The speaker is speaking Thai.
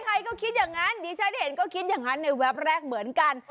ใครก็คิดอย่างนั้นดิฉันเห็นก็คิดอย่างนั้นในแวบแรกเหมือนกัน